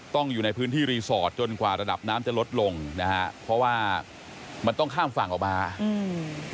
อยู่ในพื้นที่รีสอร์ทจนกว่าระดับน้ำจะลดลงนะฮะเพราะว่ามันต้องข้ามฝั่งออกมาอืม